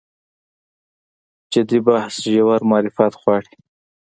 جدي بحث ژور معرفت غواړي.